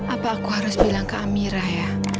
apa aku harus bilang ke amirah ya